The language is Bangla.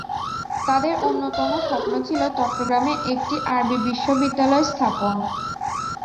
তাদের অন্যতম স্বপ্ন ছিল চট্টগ্রামে একটি আরবি বিশ্ববিদ্যালয় স্থাপন।